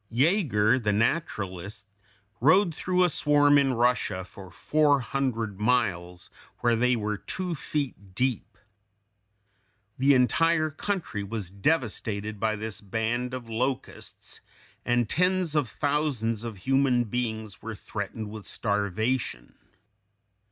Jægar, the naturalist, rode through a swarm in Russia for four hundred miles where they were two feet deep. The entire country was devastated by this band of locusts, and tens of thousands of human beings were threatened with starvation.